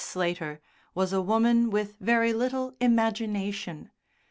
Slater was a woman with very little imagination.